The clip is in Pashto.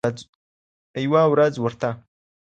یوه ورځ ورته